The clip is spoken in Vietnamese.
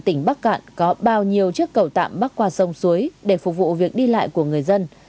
tỉnh bắc cạn có bao nhiêu chiếc cầu tạm bắc qua sông suối để phục vụ việc đi lại của người dân